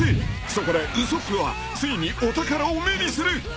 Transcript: ［そこでウソップはついにお宝を目にする］